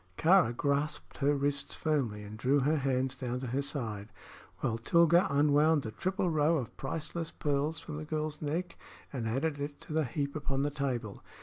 Kāra grasped her wrists firmly and drew her hands down to her side, while Tilga unwound the triple row of priceless pearls from the girl's neck and added it to the heap upon the table.